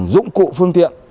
dụng cụ phương tiện